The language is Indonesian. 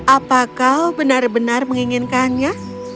apa kau benar benar menginginkannya